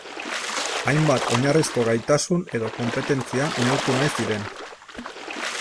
Hainbat oinarrizko gaitasun edo konpetentzia neurtu nahi ziren.